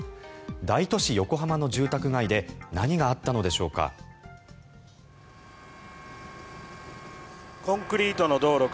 大都市・横浜の住宅街で何があったのでしょうか。